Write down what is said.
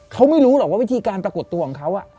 เขาไม่รู้หรอกว่าวิธีการปรากฏตัวของเขา